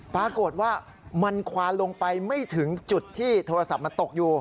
ปรากฏว่ามันควานลงไปไม่ถึงจุดที่โทรศัพท์มันตกอยู่